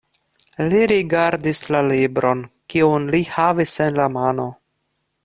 Li rigardis la libron, kiun li havis en la mano.